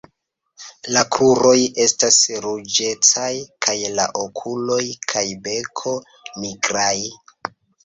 La kruroj estas ruĝecaj kaj la okuloj kaj beko nigraj.